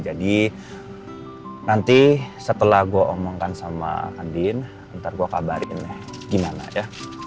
jadi nanti setelah gue omongkan sama andin ntar gue kabarin gimana ya